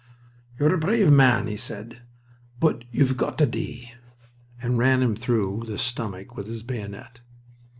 "You're a brave man," he said, "but you've got to dee," and ran him through the stomach with his bayonet.